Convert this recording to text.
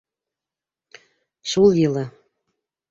Шул йылы.